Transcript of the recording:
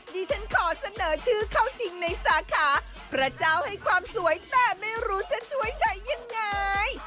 ดิฉันขอเสนอชื่อเข้าจริงในสาขาพระเจ้าให้ความสวยแต่ไม่รู้ฉันช่วยใช้ยังไง